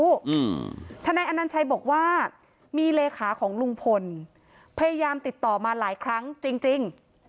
อืมทนายอนัญชัยบอกว่ามีเลขาของลุงพลพยายามติดต่อมาหลายครั้งจริงจริง